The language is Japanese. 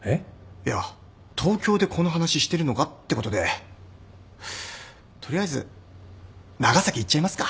いや東京でこの話してるのがってことで取りあえず長崎行っちゃいますか。